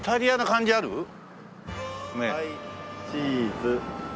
はいチーズ。